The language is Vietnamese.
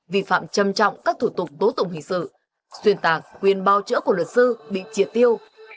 vi phạm châm trọng các thủ tục tố tụng hình sự xuyên tạc quyền bao trỡ của luật sư bị triệt tiêu